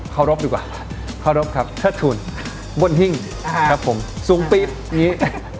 รบดีกว่าเคารพครับเทิดทุนบนหิ้งครับผมสูงปี๊บอย่างนี้